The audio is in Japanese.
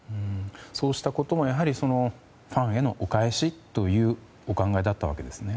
そうしたこともファンへのお返しというお考えだったわけですね。